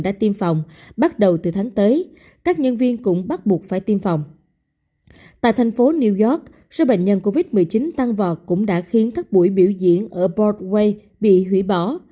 tại thành phố new york số bệnh nhân covid một mươi chín tăng vọt cũng đã khiến các buổi biểu diễn ở bordway bị hủy bỏ